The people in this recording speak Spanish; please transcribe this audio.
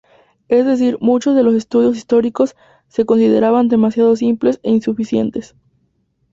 Es decir, muchos de los estudios históricos se consideran demasiado simples e insuficientes.